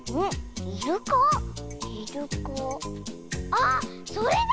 ああっそれだ！